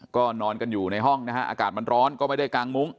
ก็นอนกันอยู่ในห้องนะฮะอากาศมันร้อนก็ไม่ได้กางมุ้ง